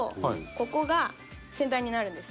ここが先端になるんです。